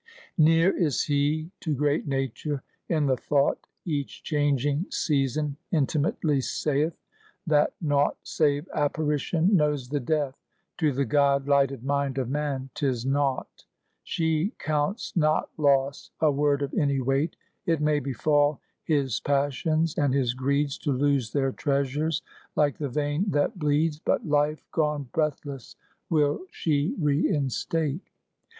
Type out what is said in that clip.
Near is he to great Nature in the thought Each changing Season intimately saith, That nought save apparition knows the death; To the God lighted mind of man 'tis nought. She counts not loss a word of any weight; It may befal his passions and his greeds To lose their treasures, like the vein that bleeds, But life gone breathless will she reinstate.